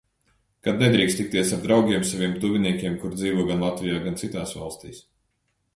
Kad nedrīkst tikties ar draugiem, saviem tuviniekiem, kuri dzīvo gan Latvijā, gan citās valstīs.